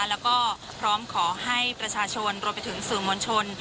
แล้วก็พร้อมขอให้ประชาชนรวมไปถึงสื่อมวลชน